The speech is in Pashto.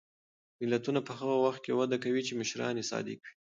ملتونه په هغه وخت کې وده کوي چې مشران یې صادق وي.